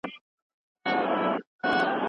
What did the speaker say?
دوی د انساني چلند لپاره تګلارې جوړوي.